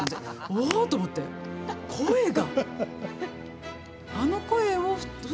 おーっと思って、声が。